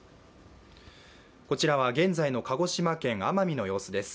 こちらは現在の鹿児島県奄美の様子です。